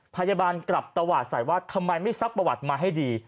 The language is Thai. พยาบาลกลับตวาดใส่ว่าทำไมไม่ซับประวัติมาให้ดี